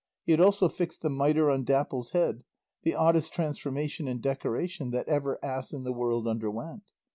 He had also fixed the mitre on Dapple's head, the oddest transformation and decoration that ever ass in the world underwent.